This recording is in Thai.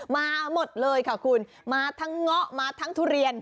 มาหมดเลยค่ะคุณมาทั้งเงาะมาทั้งทุเรียน